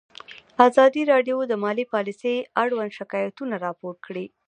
ازادي راډیو د مالي پالیسي اړوند شکایتونه راپور کړي.